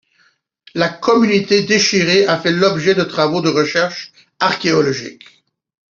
La commune d'Échiré a fait l'objet de travaux de recherches archéologiques.